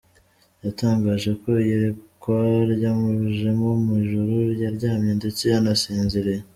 Yatangaje ko iyerekwa ryamujemo mu ijoro, yaryamye ndetse yanasinziriye.